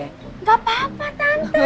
gak apa apa tante